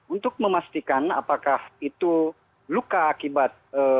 untuk memastikan apakah itu luka akibat